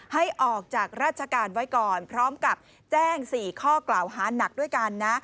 ให้ออกจากราชการไว้ก่อนพร้อมกับแจ้ง๔ข้อกล่าวหานักด้วยกันนะ